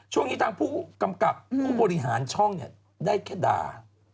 ทางผู้กำกับผู้บริหารช่องได้แค่ด่า